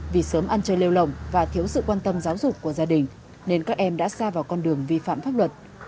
vì sớm ăn chơi lêu lồng và thiếu sự quan tâm giáo dục của gia đình nên các em đã xa vào con đường vi phạm pháp luật